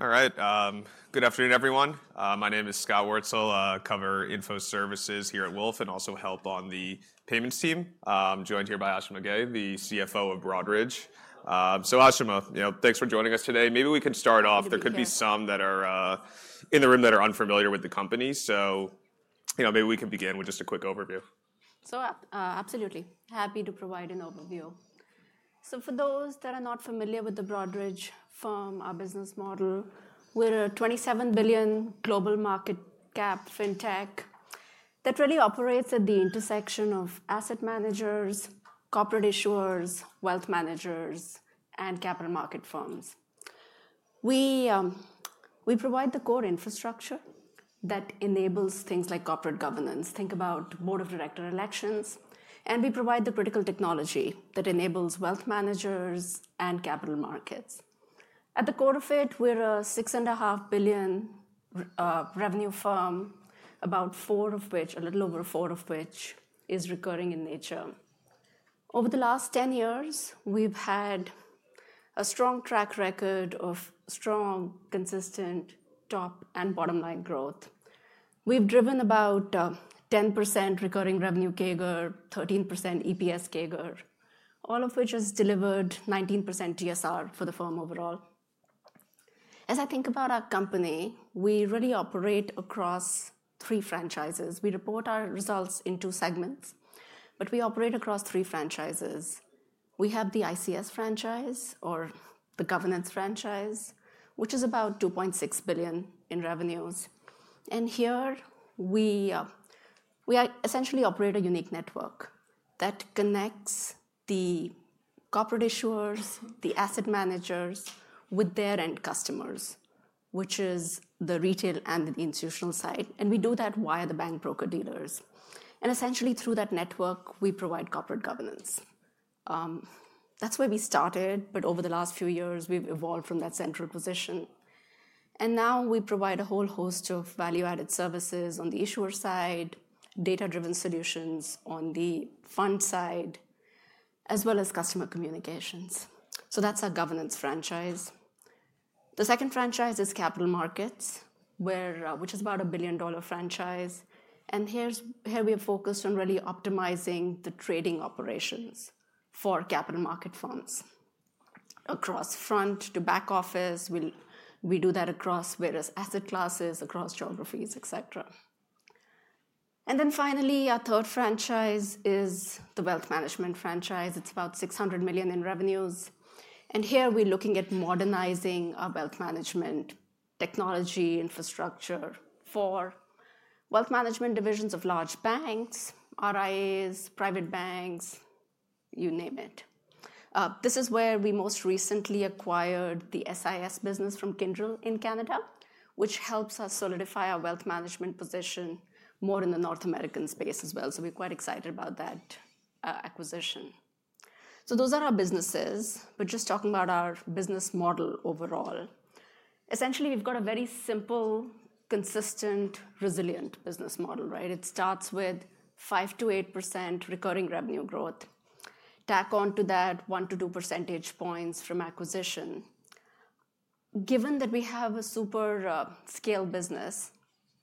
All right. Good afternoon, everyone. My name is Scott Wurtzel. I cover info services here at Wolfe and also help on the payments team. I'm joined here by Ashima Ghei, the CFO of Broadridge. Ashima, thanks for joining us today. Maybe we can start off. There could be some that are in the room that are unfamiliar with the company. Maybe we can begin with just a quick overview. Absolutely. Happy to provide an overview. For those that are not familiar with the Broadridge firm, our business model, we're a $27 billion global market cap fintech that really operates at the intersection of asset managers, corporate issuers, wealth managers, and capital market firms. We provide the core infrastructure that enables things like corporate governance. Think about board of director elections. We provide the critical technology that enables wealth managers and capital markets. At the core of it, we're a $6.5 billion revenue firm, about four of which, a little over four of which, is recurring in nature. Over the last 10 years, we've had a strong track record of strong, consistent top and bottom line growth. We've driven about 10% recurring revenue CAGR, 13% EPS CAGR, all of which has delivered 19% TSR for the firm overall. As I think about our company, we really operate across three franchises. We report our results in two segments, but we operate across three franchises. We have the ICS franchise or the governance franchise, which is about $2.6 billion in revenues. Here, we essentially operate a unique network that connects the corporate issuers, the asset managers with their end customers, which is the retail and the institutional side. We do that via the bank broker-dealers. Essentially, through that network, we provide corporate governance. That is where we started. Over the last few years, we have evolved from that central position. Now we provide a whole host of value-added services on the issuer side, data-driven solutions on the fund side, as well as customer communications. That is our governance franchise. The second franchise is capital markets, which is about a billion-dollar franchise. Here we have focused on really optimizing the trading operations for capital market funds across front to back office. We do that across various asset classes, across geographies, et cetera. Finally, our third franchise is the wealth management franchise. It is about $600 million in revenues. Here, we are looking at modernizing our wealth management technology infrastructure for wealth management divisions of large banks, RIAs, private banks, you name it. This is where we most recently acquired the SIS business from Kyndryl in Canada, which helps us solidify our wealth management position more in the North American space as well. We are quite excited about that acquisition. Those are our businesses. Just talking about our business model overall, essentially, we have a very simple, consistent, resilient business model. It starts with 5%-8% recurring revenue growth, tack on to that 1%-2% points from acquisition. Given that we have a super scale business,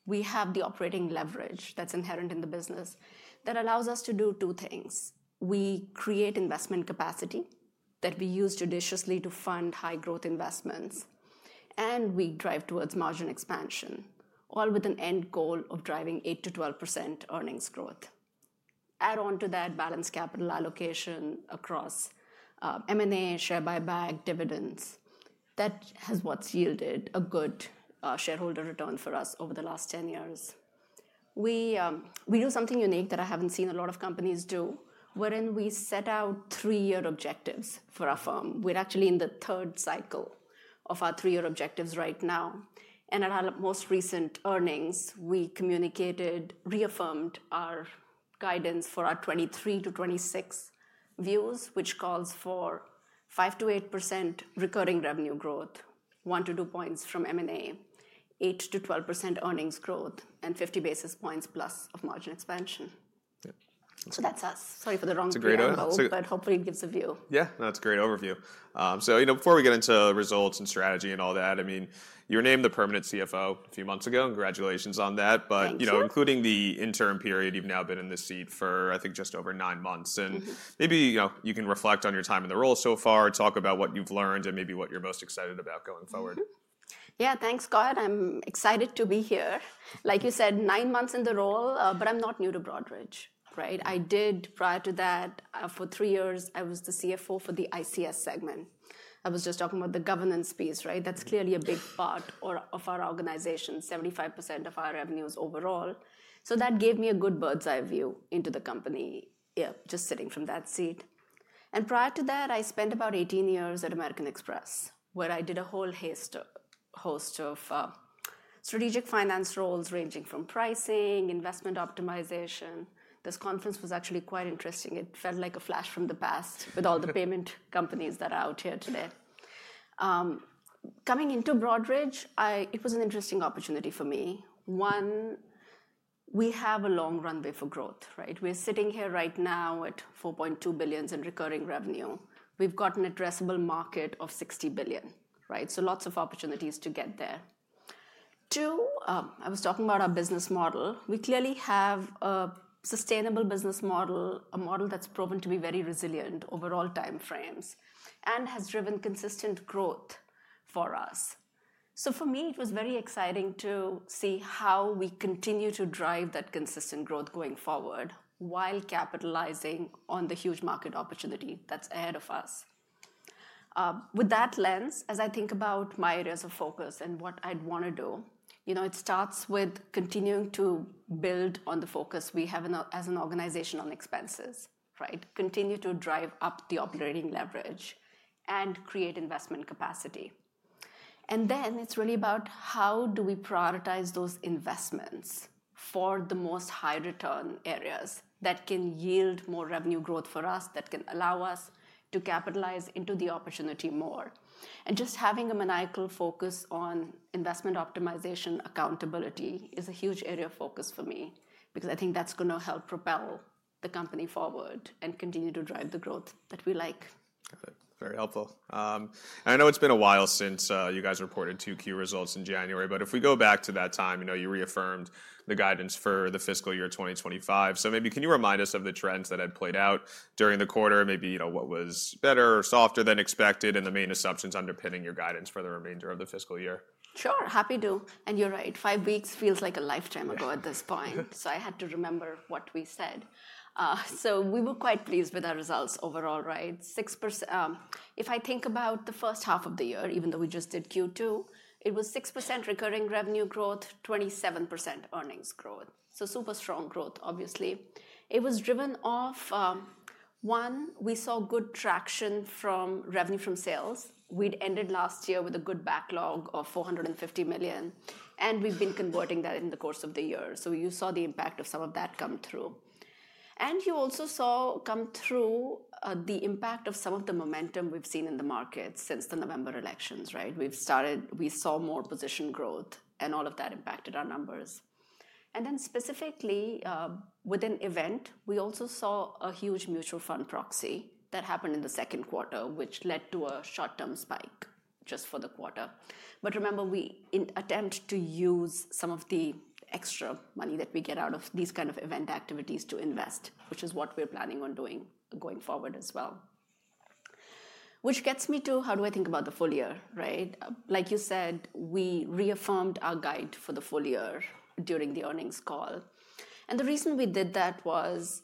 we have the operating leverage that's inherent in the business that allows us to do two things. We create investment capacity that we use judiciously to fund high-growth investments, and we drive towards margin expansion, all with an end goal of driving 8%-12% earnings growth. Add on to that balanced capital allocation across M&A, share buyback, dividends. That has what's yielded a good shareholder return for us over the last 10 years. We do something unique that I haven't seen a lot of companies do, wherein we set out three-year objectives for our firm. We're actually in the third cycle of our three-year objectives right now. At our most recent earnings, we communicated, reaffirmed our guidance for our 2023 to 2026 views, which calls for 5%-8% recurring revenue growth, 1%-2 percentage points from M&A, 8%-12% earnings growth, and 50 basis points plus of margin expansion. That is us. Sorry for the wrong term of the boat, but hopefully, it gives a view. Yeah, that's a great overview. Before we get into results and strategy and all that, I mean, you were named the permanent CFO a few months ago. Congratulations on that. Including the interim period, you've now been in this seat for, I think, just over nine months. Maybe you can reflect on your time in the role so far, talk about what you've learned, and maybe what you're most excited about going forward. Yeah, thanks, Scott. I'm excited to be here. Like you said, nine months in the role, but I'm not new to Broadridge. I did, prior to that, for three years, I was the CFO for the ICS segment. I was just talking about the governance piece. That's clearly a big part of our organization, 75% of our revenues overall. That gave me a good bird's eye view into the company just sitting from that seat. Prior to that, I spent about 18 years at American Express, where I did a whole host of strategic finance roles ranging from pricing, investment optimization. This conference was actually quite interesting. It felt like a flash from the past with all the payment companies that are out here today. Coming into Broadridge, it was an interesting opportunity for me. One, we have a long runway for growth. We're sitting here right now at $4.2 billion in recurring revenue. We've got an addressable market of $60 billion. Lots of opportunities to get there. Two, I was talking about our business model. We clearly have a sustainable business model, a model that's proven to be very resilient over all time frames and has driven consistent growth for us. For me, it was very exciting to see how we continue to drive that consistent growth going forward while capitalizing on the huge market opportunity that's ahead of us. With that lens, as I think about my areas of focus and what I'd want to do, it starts with continuing to build on the focus we have as an organization on expenses, continue to drive up the operating leverage, and create investment capacity. It is really about how do we prioritize those investments for the most high return areas that can yield more revenue growth for us, that can allow us to capitalize into the opportunity more. Just having a maniacal focus on investment optimization accountability is a huge area of focus for me because I think that's going to help propel the company forward and continue to drive the growth that we like. Very helpful. I know it's been a while since you guys reported two key results in January. If we go back to that time, you reaffirmed the guidance for the fiscal year 2025. Maybe can you remind us of the trends that had played out during the quarter, maybe what was better or softer than expected and the main assumptions underpinning your guidance for the remainder of the fiscal year? Sure. Happy to. You're right. Five weeks feels like a lifetime ago at this point. I had to remember what we said. We were quite pleased with our results overall. If I think about the first half of the year, even though we just did Q2, it was 6% recurring revenue growth, 27% earnings growth. Super strong growth, obviously. It was driven off, one, we saw good traction from revenue from sales. We'd ended last year with a good backlog of $450 million. We've been converting that in the course of the year. You saw the impact of some of that come through. You also saw come through the impact of some of the momentum we've seen in the markets since the November elections. We saw more position growth, and all of that impacted our numbers. Specifically, with an event, we also saw a huge mutual fund proxy that happened in the second quarter, which led to a short-term spike just for the quarter. Remember, we attempt to use some of the extra money that we get out of these kind of event activities to invest, which is what we're planning on doing going forward as well. That gets me to how do I think about the full year. Like you said, we reaffirmed our guide for the full year during the earnings call. The reason we did that was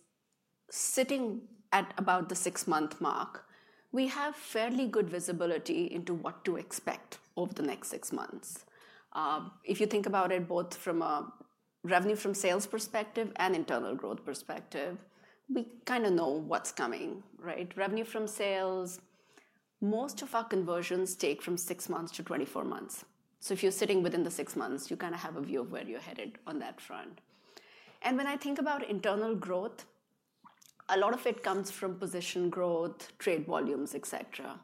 sitting at about the six-month mark, we have fairly good visibility into what to expect over the next six months. If you think about it both from a revenue from sales perspective and internal growth perspective, we kind of know what's coming. Revenue from sales, most of our conversions take from six months to 24 months. If you're sitting within the six months, you kind of have a view of where you're headed on that front. When I think about internal growth, a lot of it comes from position growth, trade volumes, et cetera.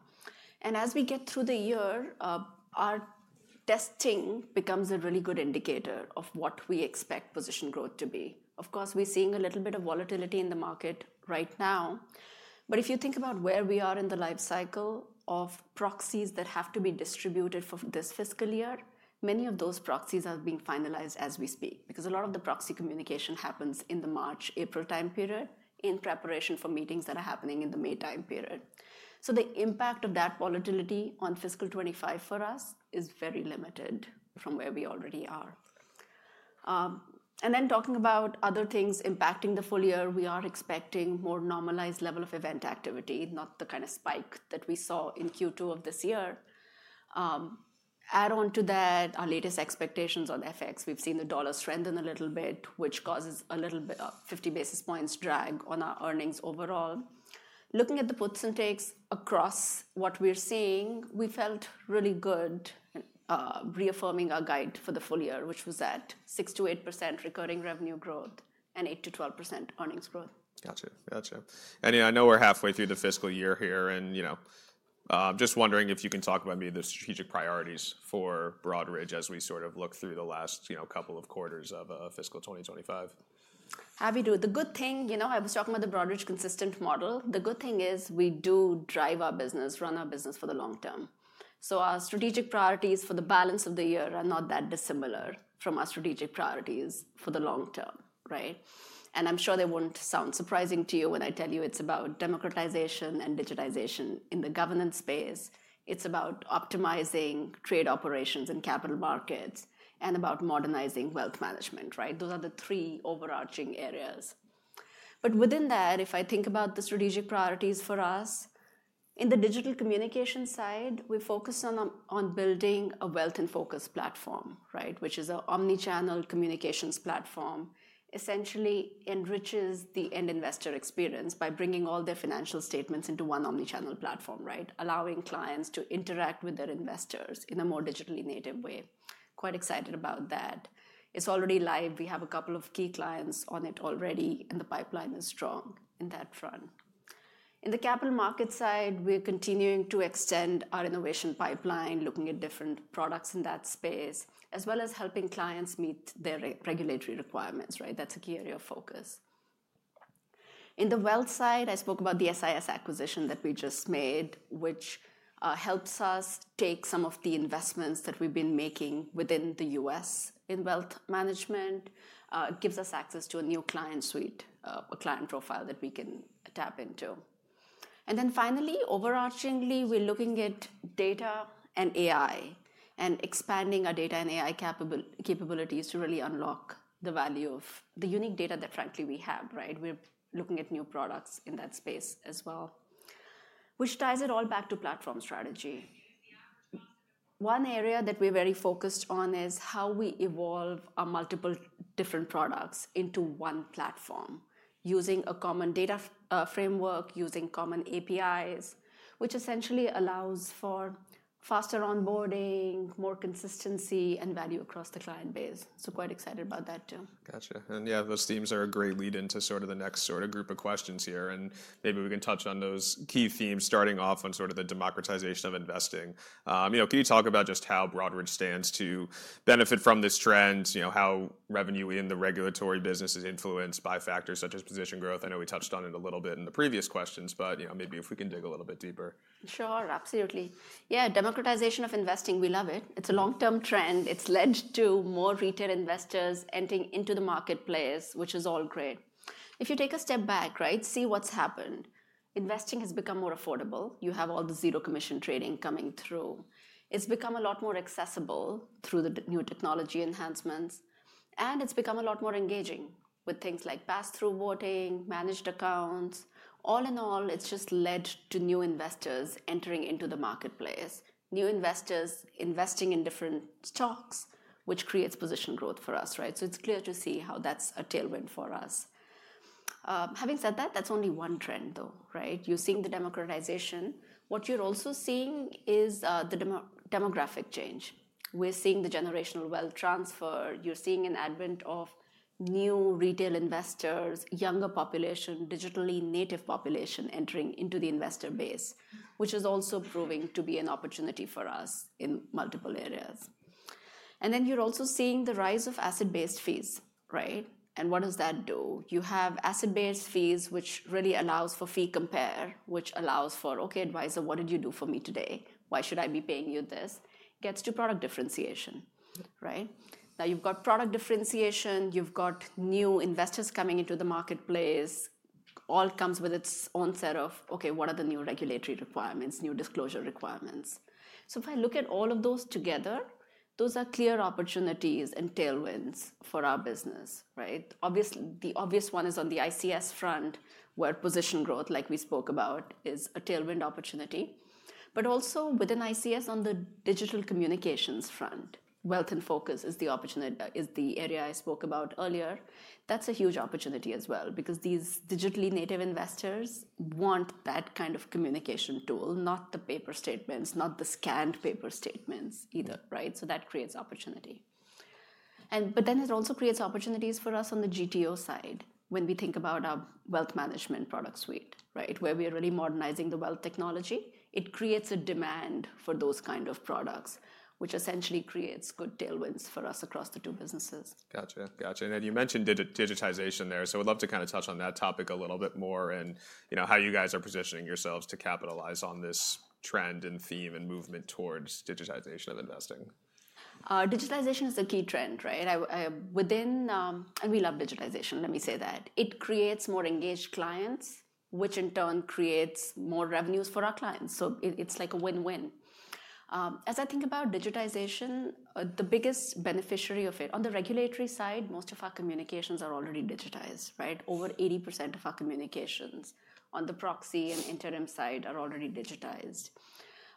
As we get through the year, our testing becomes a really good indicator of what we expect position growth to be. Of course, we're seeing a little bit of volatility in the market right now. If you think about where we are in the life cycle of proxies that have to be distributed for this fiscal year, many of those proxies are being finalized as we speak because a lot of the proxy communication happens in the March-April time period in preparation for meetings that are happening in the May time period. The impact of that volatility on fiscal 2025 for us is very limited from where we already are. Talking about other things impacting the full year, we are expecting a more normalized level of event activity, not the kind of spike that we saw in Q2 of this year. Add on to that, our latest expectations on FX, we've seen the dollar strengthen a little bit, which causes a little bit of 50 basis points drag on our earnings overall. Looking at the puts and takes across what we're seeing, we felt really good reaffirming our guide for the full year, which was that 6%-8% recurring revenue growth and 8%-12% earnings growth. Gotcha. Gotcha. I know we're halfway through the fiscal year here. Just wondering if you can talk about maybe the strategic priorities for Broadridge as we sort of look through the last couple of quarters of fiscal 2025. Happy to. The good thing, I was talking about the Broadridge consistent model. The good thing is we do drive our business, run our business for the long term. Our strategic priorities for the balance of the year are not that dissimilar from our strategic priorities for the long term. I am sure they will not sound surprising to you when I tell you it is about democratization and digitization in the governance space. It is about optimizing trade operations and capital markets and about modernizing wealth management. Those are the three overarching areas. Within that, if I think about the strategic priorities for us, in the digital communication side, we focus on building a Wealth and Focus platform, which is an omnichannel communications platform, essentially enriches the end investor experience by bringing all their financial statements into one omnichannel platform, allowing clients to interact with their investors in a more digitally native way. Quite excited about that. It's already live. We have a couple of key clients on it already, and the pipeline is strong in that front. In the capital market side, we're continuing to extend our innovation pipeline, looking at different products in that space, as well as helping clients meet their regulatory requirements. That's a key area of focus. In the wealth side, I spoke about the SIS acquisition that we just made, which helps us take some of the investments that we've been making within the US in wealth management. It gives us access to a new client suite, a client profile that we can tap into. Finally, overarchingly, we're looking at data and AI and expanding our data and AI capabilities to really unlock the value of the unique data that, frankly, we have. We're looking at new products in that space as well, which ties it all back to platform strategy. One area that we're very focused on is how we evolve our multiple different products into one platform using a common data framework, using common APIs, which essentially allows for faster onboarding, more consistency, and value across the client base. Quite excited about that too. Gotcha. Yeah, those themes are a great lead into sort of the next sort of group of questions here. Maybe we can touch on those key themes starting off on sort of the democratization of investing. Can you talk about just how Broadridge stands to benefit from this trend, how revenue in the regulatory business is influenced by factors such as position growth? I know we touched on it a little bit in the previous questions, but maybe if we can dig a little bit deeper. Sure. Absolutely. Yeah, democratization of investing, we love it. It's a long-term trend. It's led to more retail investors entering into the marketplace, which is all great. If you take a step back, see what's happened. Investing has become more affordable. You have all the zero commission trading coming through. It's become a lot more accessible through the new technology enhancements. It's become a lot more engaging with things like pass-through voting, managed accounts. All in all, it's just led to new investors entering into the marketplace, new investors investing in different stocks, which creates position growth for us. It's clear to see how that's a tailwind for us. Having said that, that's only one trend, though. You're seeing the democratization. What you're also seeing is the demographic change. We're seeing the generational wealth transfer. You're seeing an advent of new retail investors, younger population, digitally native population entering into the investor base, which is also proving to be an opportunity for us in multiple areas. You're also seeing the rise of asset-based fees. What does that do? You have asset-based fees, which really allows for fee compare, which allows for, okay, advisor, what did you do for me today? Why should I be paying you this? Gets to product differentiation. Now you've got product differentiation. You've got new investors coming into the marketplace. All comes with its own set of, okay, what are the new regulatory requirements, new disclosure requirements? If I look at all of those together, those are clear opportunities and tailwinds for our business. Obviously, the obvious one is on the ICS front, where position growth, like we spoke about, is a tailwind opportunity. Also within ICS, on the digital communications front, Wealth and Focus is the area I spoke about earlier. That's a huge opportunity as well because these digitally native investors want that kind of communication tool, not the paper statements, not the scanned paper statements either. That creates opportunity. It also creates opportunities for us on the GTO side when we think about our wealth management product suite, where we are really modernizing the wealth technology. It creates a demand for those kind of products, which essentially creates good tailwinds for us across the two businesses. Gotcha. Gotcha. You mentioned digitization there. I would love to kind of touch on that topic a little bit more and how you guys are positioning yourselves to capitalize on this trend and theme and movement towards digitization of investing. Digitization is a key trend. We love digitization. Let me say that. It creates more engaged clients, which in turn creates more revenues for our clients. It is like a win-win. As I think about digitization, the biggest beneficiary of it, on the regulatory side, most of our communications are already digitized. Over 80% of our communications on the proxy and interim side are already digitized.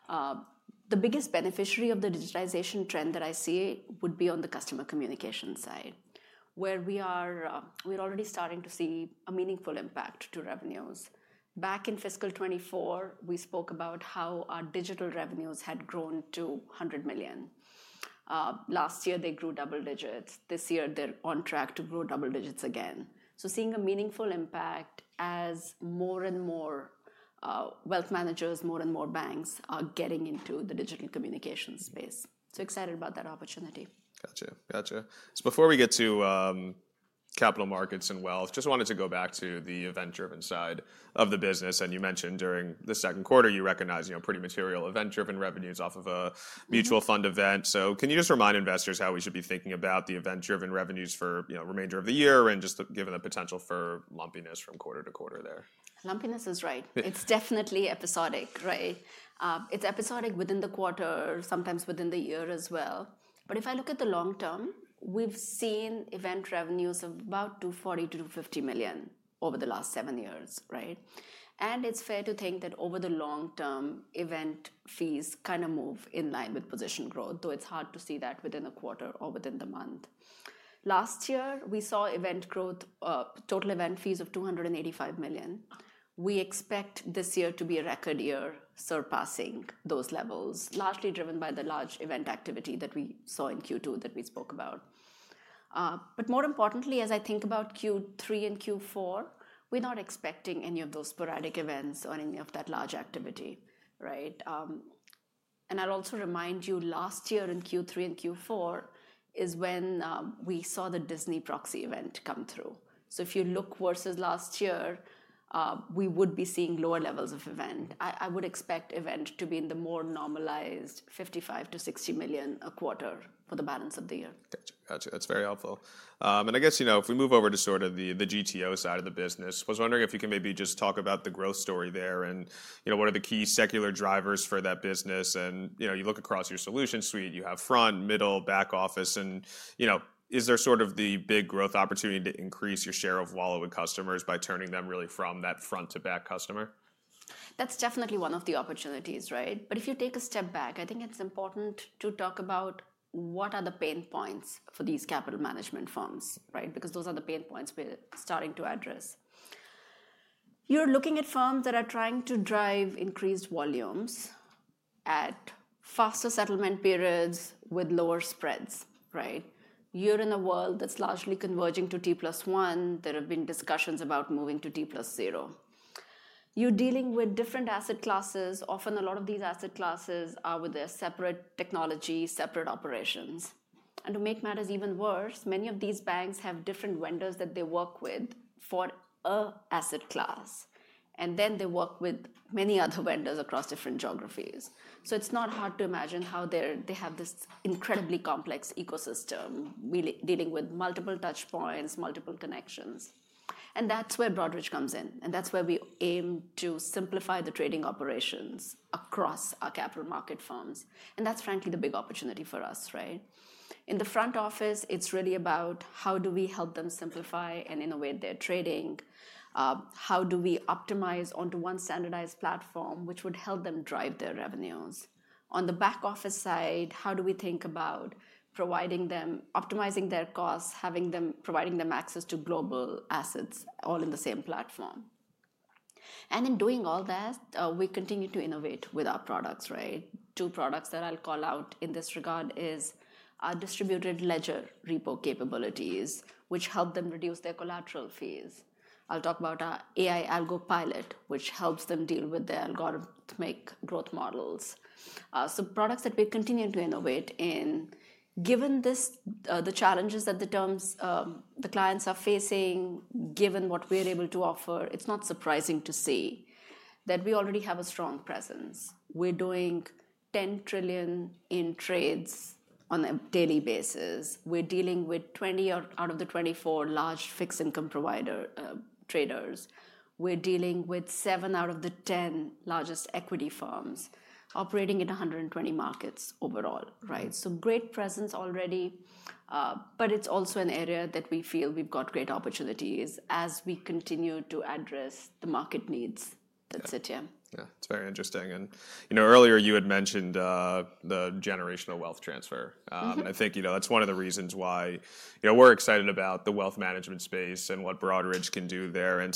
The biggest beneficiary of the digitization trend that I see would be on the customer communication side, where we are already starting to see a meaningful impact to revenues. Back in fiscal 2024, we spoke about how our digital revenues had grown to $100 million. Last year, they grew double digits. This year, they are on track to grow double digits again. Seeing a meaningful impact as more and more wealth managers, more and more banks are getting into the digital communications space. Excited about that opportunity. Gotcha. Gotcha. Before we get to capital markets and wealth, just wanted to go back to the event-driven side of the business. You mentioned during the second quarter, you recognize pretty material event-driven revenues off of a mutual fund event. Can you just remind investors how we should be thinking about the event-driven revenues for the remainder of the year, just given the potential for lumpiness from quarter to quarter there? Lumpiness is right. It's definitely episodic. It's episodic within the quarter, sometimes within the year as well. If I look at the long term, we've seen event revenues of about $240 million-$250 million over the last seven years. It's fair to think that over the long term, event fees kind of move in line with position growth, though it's hard to see that within a quarter or within the month. Last year, we saw event growth, total event fees of $285 million. We expect this year to be a record year surpassing those levels, largely driven by the large event activity that we saw in Q2 that we spoke about. More importantly, as I think about Q3 and Q4, we're not expecting any of those sporadic events or any of that large activity. I will also remind you, last year in Q3 and Q4 is when we saw the Disney proxy event come through. If you look versus last year, we would be seeing lower levels of event. I would expect event to be in the more normalized $55 million-$60 million a quarter for the balance of the year. Gotcha. Gotcha. That's very helpful. I guess if we move over to sort of the GTO side of the business, I was wondering if you can maybe just talk about the growth story there and what are the key secular drivers for that business. You look across your solution suite, you have front, middle, back office. Is there sort of the big growth opportunity to increase your share of wallet in customers by turning them really from that front to back customer? That's definitely one of the opportunities. If you take a step back, I think it's important to talk about what are the pain points for these capital management firms because those are the pain points we're starting to address. You're looking at firms that are trying to drive increased volumes at faster settlement periods with lower spreads. You're in a world that's largely converging to T+1. There have been discussions about moving to T+0. You're dealing with different asset classes. Often, a lot of these asset classes are with their separate technology, separate operations. To make matters even worse, many of these banks have different vendors that they work with for an asset class. They work with many other vendors across different geographies. It is not hard to imagine how they have this incredibly complex ecosystem dealing with multiple touch points, multiple connections. That is where Broadridge comes in. That is where we aim to simplify the trading operations across our capital market firms. That is, frankly, the big opportunity for us. In the front office, it is really about how do we help them simplify and innovate their trading? How do we optimize onto one standardized platform, which would help them drive their revenues? On the back office side, how do we think about optimizing their costs, providing them access to global assets all in the same platform? In doing all that, we continue to innovate with our products. Two products that I will call out in this regard are distributed ledger repo capabilities, which help them reduce their collateral fees. I'll talk about our AI AlgoPilot, which helps them deal with their algorithmic growth models. Products that we continue to innovate in. Given the challenges that the clients are facing, given what we're able to offer, it's not surprising to see that we already have a strong presence. We're doing $10 trillion in trades on a daily basis. We're dealing with 20 out of the 24 large fixed income traders. We're dealing with 7 out of the 10 largest equity firms operating in 120 markets overall. Great presence already, but it's also an area that we feel we've got great opportunities as we continue to address the market needs. That's it, yeah. Yeah. It's very interesting. Earlier, you had mentioned the generational wealth transfer. I think that's one of the reasons why we're excited about the wealth management space and what Broadridge can do there. I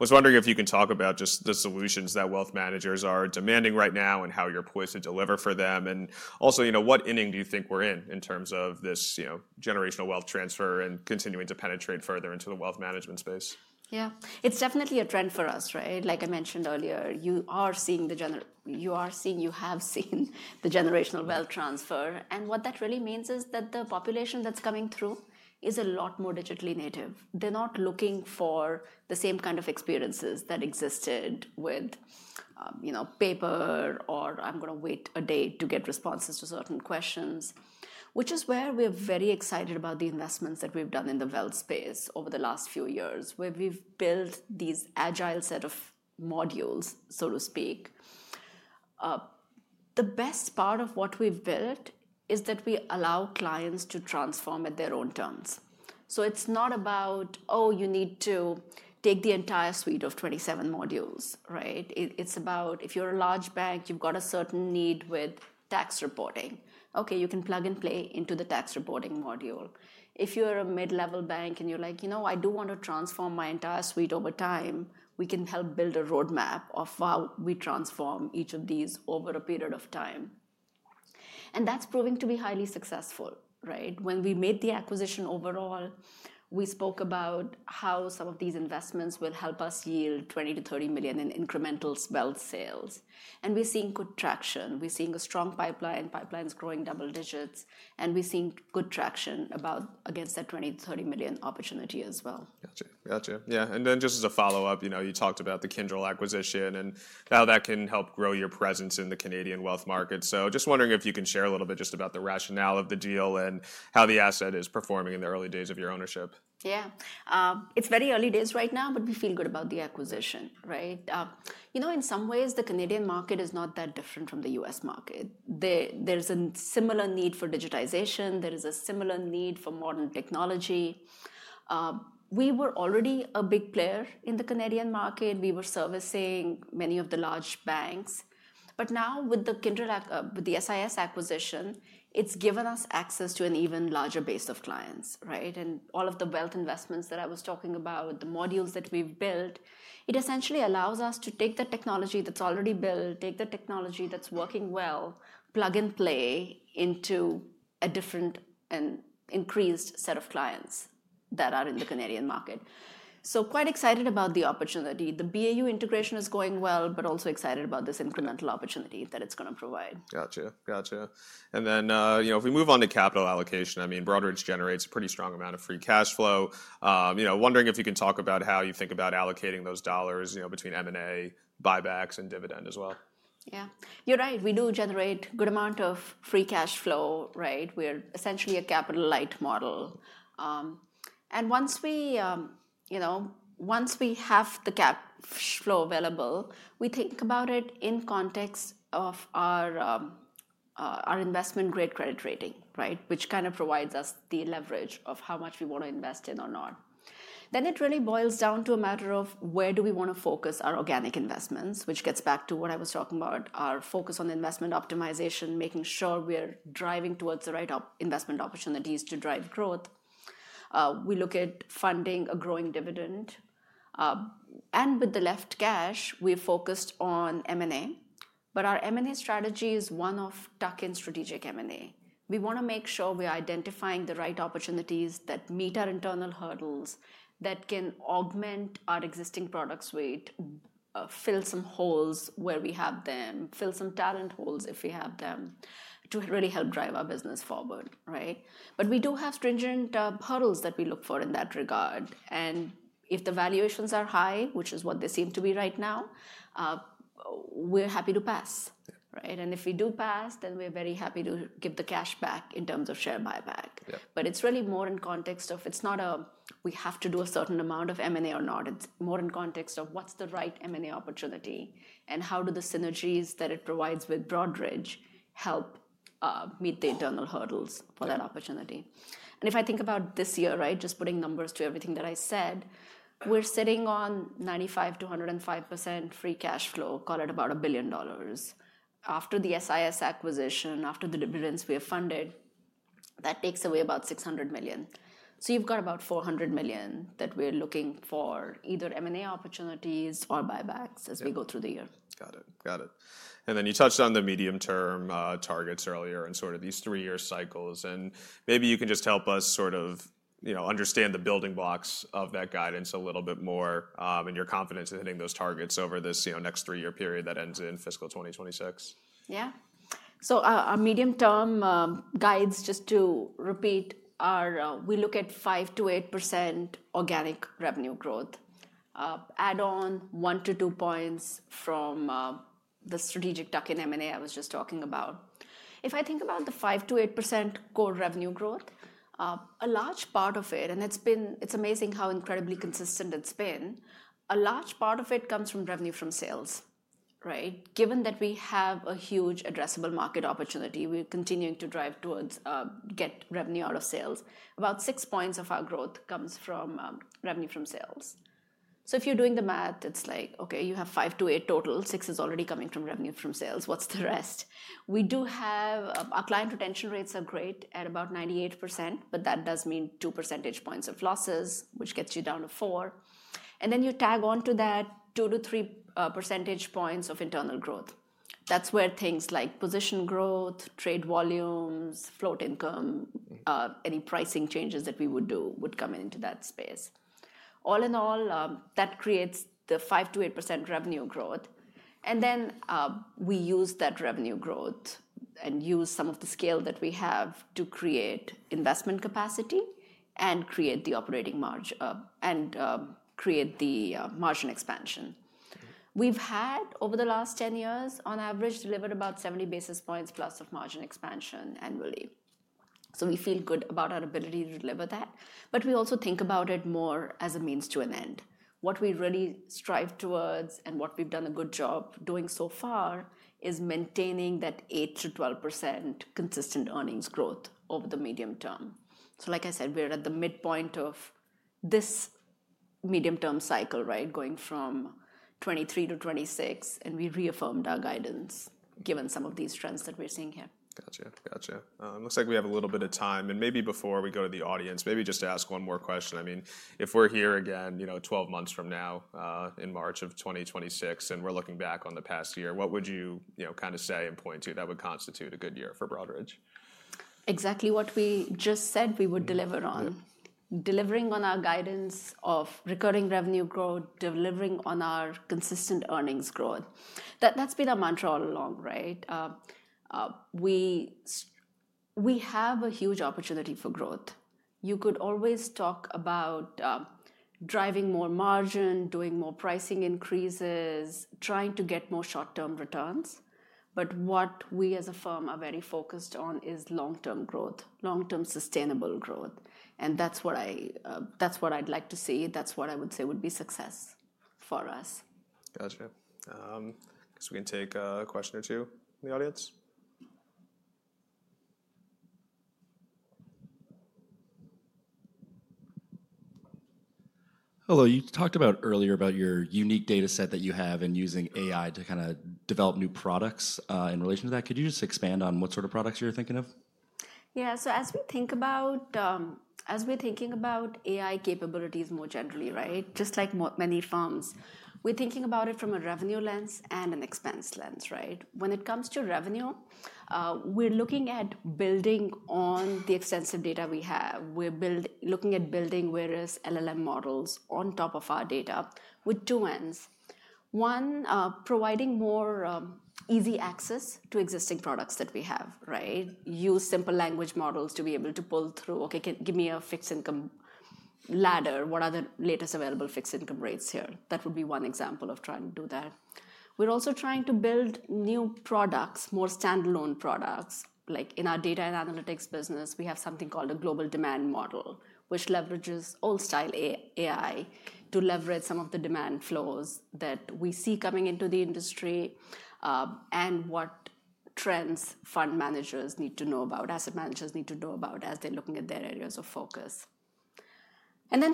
was wondering if you can talk about just the solutions that wealth managers are demanding right now and how you're poised to deliver for them. Also, what inning do you think we're in in terms of this generational wealth transfer and continuing to penetrate further into the wealth management space? Yeah. It's definitely a trend for us. Like I mentioned earlier, you are seeing the you have seen the generational wealth transfer. What that really means is that the population that's coming through is a lot more digitally native. They're not looking for the same kind of experiences that existed with paper or I'm going to wait a day to get responses to certain questions, which is where we're very excited about the investments that we've done in the wealth space over the last few years, where we've built these agile set of modules, so to speak. The best part of what we've built is that we allow clients to transform at their own terms. It's not about, oh, you need to take the entire suite of 27 modules. It's about if you're a large bank, you've got a certain need with tax reporting. Okay, you can plug and play into the tax reporting module. If you're a mid-level bank and you're like, you know, I do want to transform my entire suite over time, we can help build a roadmap of how we transform each of these over a period of time. That's proving to be highly successful. When we made the acquisition overall, we spoke about how some of these investments will help us yield $20-$30 million in incremental wealth sales. We're seeing good traction. We're seeing a strong pipeline. Pipeline is growing double digits. We're seeing good traction against that $20-$30 million opportunity as well. Gotcha. Gotcha. Yeah. Just as a follow-up, you talked about the Kyndryl acquisition and how that can help grow your presence in the Canadian wealth market. Just wondering if you can share a little bit just about the rationale of the deal and how the asset is performing in the early days of your ownership. Yeah. It's very early days right now, but we feel good about the acquisition. You know, in some ways, the Canadian market is not that different from the US market. There's a similar need for digitization. There is a similar need for modern technology. We were already a big player in the Canadian market. We were servicing many of the large banks. Now with the SIS acquisition, it's given us access to an even larger base of clients. All of the wealth investments that I was talking about, the modules that we've built, it essentially allows us to take the technology that's already built, take the technology that's working well, plug and play into a different and increased set of clients that are in the Canadian market. Quite excited about the opportunity. The BAU integration is going well, but also excited about this incremental opportunity that it's going to provide. Gotcha. Gotcha. If we move on to capital allocation, I mean, Broadridge generates a pretty strong amount of free cash flow. Wondering if you can talk about how you think about allocating those dollars between M&A, buybacks, and dividend as well. Yeah. You're right. We do generate a good amount of free cash flow. We're essentially a capital light model. Once we have the cash flow available, we think about it in context of our investment grade credit rating, which kind of provides us the leverage of how much we want to invest in or not. It really boils down to a matter of where do we want to focus our organic investments, which gets back to what I was talking about, our focus on investment optimization, making sure we're driving towards the right investment opportunities to drive growth. We look at funding a growing dividend. With the left cash, we've focused on M&A. Our M&A strategy is one of tuck-in strategic M&A. We want to make sure we're identifying the right opportunities that meet our internal hurdles that can augment our existing product suite, fill some holes where we have them, fill some talent holes if we have them to really help drive our business forward. We do have stringent hurdles that we look for in that regard. If the valuations are high, which is what they seem to be right now, we're happy to pass. If we do pass, then we're very happy to give the cash back in terms of share buyback. It is really more in context of it's not a we have to do a certain amount of M&A or not. It is more in context of what's the right M&A opportunity and how do the synergies that it provides with Broadridge help meet the internal hurdles for that opportunity. If I think about this year, just putting numbers to everything that I said, we're sitting on 95%-105% free cash flow, call it about $1 billion. After the SIS acquisition, after the dividends we have funded, that takes away about $600 million. So you've got about $400 million that we're looking for either M&A opportunities or buybacks as we go through the year. Got it. Got it. You touched on the medium-term targets earlier and sort of these three-year cycles. Maybe you can just help us sort of understand the building blocks of that guidance a little bit more and your confidence in hitting those targets over this next three-year period that ends in fiscal 2026. Yeah. Our medium-term guides, just to repeat, we look at 5%-8% organic revenue growth, add on one to two points from the strategic tuck-in M&A I was just talking about. If I think about the 5%-8% core revenue growth, a large part of it, and it's amazing how incredibly consistent it's been, a large part of it comes from revenue from sales. Given that we have a huge addressable market opportunity, we're continuing to drive towards getting revenue out of sales. About six points of our growth comes from revenue from sales. If you're doing the math, it's like, okay, you have five to eight total. Six is already coming from revenue from sales. What's the rest? We do have our client retention rates are great at about 98%, but that does mean two percentage points of losses, which gets you down to four. You tag on to that two to three percentage points of internal growth. That is where things like position growth, trade volumes, float income, any pricing changes that we would do would come into that space. All in all, that creates the 5%-8% revenue growth. We use that revenue growth and use some of the scale that we have to create investment capacity and create the operating margin and create the margin expansion. We have had, over the last 10 years, on average, delivered about 70 basis points plus of margin expansion annually. We feel good about our ability to deliver that. We also think about it more as a means to an end. What we really strive towards and what we have done a good job doing so far is maintaining that 8%-12% consistent earnings growth over the medium term. Like I said, we're at the midpoint of this medium-term cycle going from 2023 to 2026. We reaffirmed our guidance given some of these trends that we're seeing here. Gotcha. Gotcha. Looks like we have a little bit of time. Maybe before we go to the audience, just to ask one more question. I mean, if we're here again 12 months from now in March of 2026 and we're looking back on the past year, what would you kind of say and point to that would constitute a good year for Broadridge? Exactly what we just said we would deliver on. Delivering on our guidance of recurring revenue growth, delivering on our consistent earnings growth. That has been our mantra all along. We have a huge opportunity for growth. You could always talk about driving more margin, doing more pricing increases, trying to get more short-term returns. What we as a firm are very focused on is long-term growth, long-term sustainable growth. That is what I would like to see. That is what I would say would be success for us. Gotcha. I guess we can take a question or two from the audience. Hello. You talked earlier about your unique data set that you have and using AI to kind of develop new products in relation to that. Could you just expand on what sort of products you're thinking of? Yeah. As we think about as we're thinking about AI capabilities more generally, just like many firms, we're thinking about it from a revenue lens and an expense lens. When it comes to revenue, we're looking at building on the extensive data we have. We're looking at building various LLM models on top of our data with two ends. One, providing more easy access to existing products that we have. Use simple language models to be able to pull through, okay, give me a fixed income ladder. What are the latest available fixed income rates here? That would be one example of trying to do that. We're also trying to build new products, more standalone products. Like in our data and analytics business, we have something called a Global Demand Model, which leverages old-style AI to leverage some of the demand flows that we see coming into the industry and what trends fund managers need to know about, asset managers need to know about as they're looking at their areas of focus.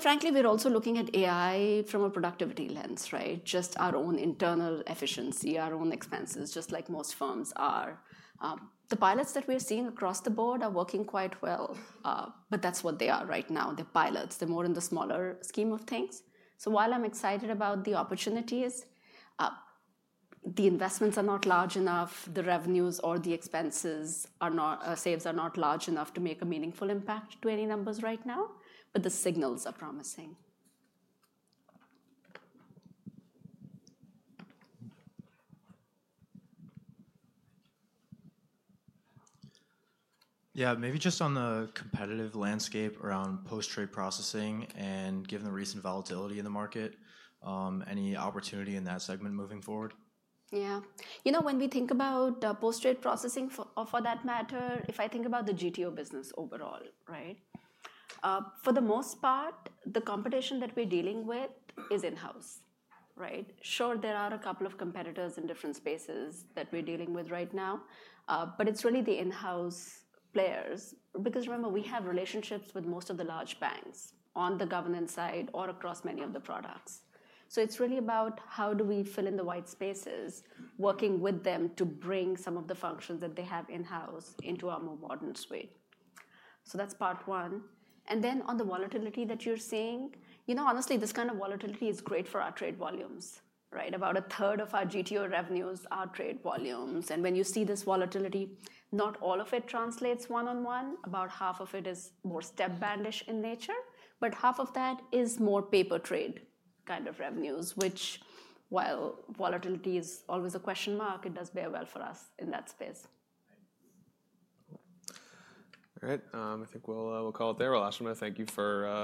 Frankly, we're also looking at AI from a productivity lens, just our own internal efficiency, our own expenses, just like most firms are. The pilots that we're seeing across the board are working quite well. That is what they are right now. They're pilots. They're more in the smaller scheme of things. While I'm excited about the opportunities, the investments are not large enough. The revenues or the expenses are not saves are not large enough to make a meaningful impact to any numbers right now. The signals are promising. Yeah. Maybe just on the competitive landscape around post-trade processing and given the recent volatility in the market, any opportunity in that segment moving forward? Yeah. You know, when we think about post-trade processing for that matter, if I think about the GTO business overall, for the most part, the competition that we're dealing with is in-house. Sure, there are a couple of competitors in different spaces that we're dealing with right now. It is really the in-house players. Because remember, we have relationships with most of the large banks on the governance side or across many of the products. It is really about how do we fill in the white spaces, working with them to bring some of the functions that they have in-house into our more modern suite. That is part one. And then on the volatility that you're seeing, you know, honestly, this kind of volatility is great for our trade volumes. About a third of our GTO revenues are trade volumes. When you see this volatility, not all of it translates one-on-one. About half of it is more spread-based in nature. Half of that is more pay-per-trade kind of revenues, which, while volatility is always a question mark, it does bear well for us in that space. All right. I think we'll call it there. We'll ask them to thank you for.